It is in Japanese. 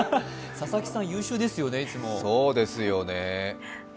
佐々木さん、優秀ですよね、いつも。